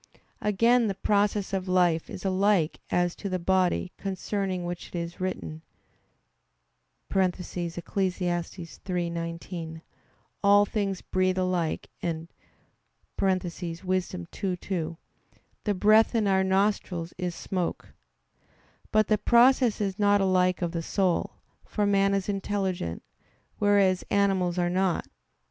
Again the process of life is alike as to the body, concerning which it is written (Eccles. 3:19): "All things breathe alike," and (Wis. 2:2), "The breath in our nostrils is smoke." But the process is not alike of the soul; for man is intelligent, whereas animals are not.